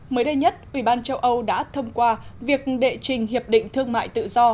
mới đây nhất ubnd đã thông qua việc đệ trình hiệp định thương mại tự do